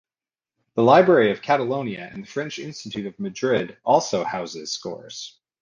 The Library of Catalonia and the French Institute of Madrid also house his scores.